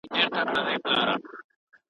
په داخلي چارو کي